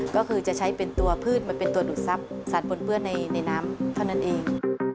ก็คือจะใช้เป็นตัวพืชเป็นตัวดุสับสารปนเปื้อนในน้ำเท่านั้นเอง